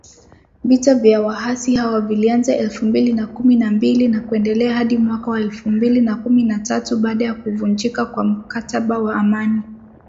Vita vya waasi hawa vilianza elfu mbili na kumi na mbili na kuendelea hadi mwaka elfu mbili na kumi na tatu baada ya kuvunjika kwa mkataba wa amani